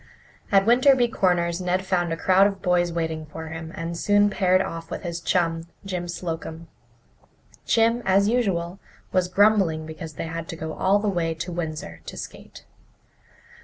At Winterby Corners Ned found a crowd of boys waiting for him, and soon paired off with his chum, Jim Slocum. Jim, as usual, was grumbling because they had to go all the way to Windsor to skate.